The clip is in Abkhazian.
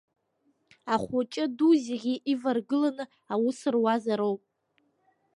Ахәыҷы-аду зегьы иваргыланы аус руазароуп.